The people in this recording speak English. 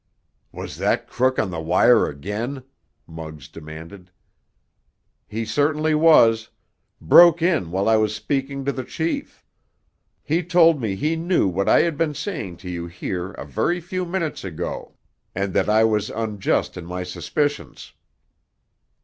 "Was that crook on the wire again?" Muggs demanded. "He certainly was—broke in while I was speaking to the chief. He told me he knew what I had been saying to you here a very few minutes ago, and that I was unjust in my suspicions."